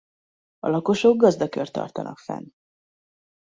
A lakosok gazdakört tartanak fenn.